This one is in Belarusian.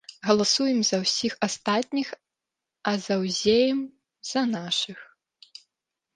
Галасуем за ўсіх астатніх, а заўзеем за нашых.